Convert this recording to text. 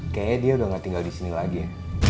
kayaknya dia udah gak tinggal disini lagi ya